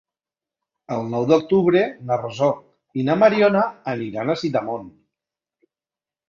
El nou d'octubre na Rosó i na Mariona aniran a Sidamon.